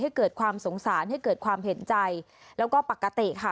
เกิดความสงสารให้เกิดความเห็นใจแล้วก็ปกติค่ะ